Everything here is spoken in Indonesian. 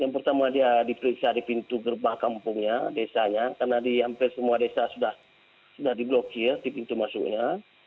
yang pertama dia diperiksa di pintu gerbang kampungnya desanya karena di hampir semua desa sudah diblokir di pintu masuknya